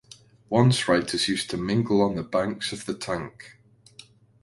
Once writers used to mingle on the banks of the tank.